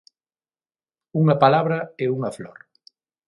Unha palabra e unha flor.